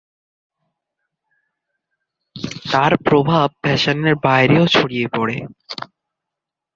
তার প্রভাব ফ্যাশনের বাইরেও ছড়িয়ে পরে।